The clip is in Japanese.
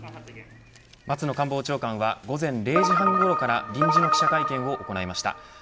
松野官房長官は午前０時半ごろから臨時の記者会見を行いました。